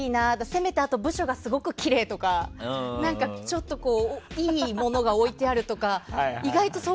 せめてあと部署がすごくきれいとかちょっといいものが置いてあるとか。